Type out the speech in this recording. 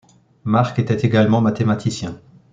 Marc était également mathématicien.